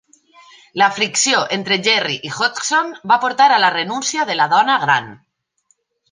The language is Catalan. La fricció entre Gerrie i Hodgson va portar a la renúncia de la dona gran.